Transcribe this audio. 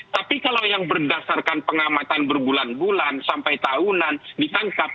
tapi kalau yang berdasarkan pengamatan berbulan bulan sampai tahunan ditangkap